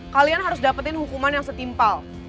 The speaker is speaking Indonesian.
kalian harus dapetin hukuman yang setimpal